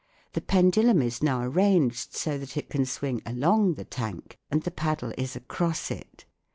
The pendulum is now arranged so that it can swing along the tank, and the paddle is across it.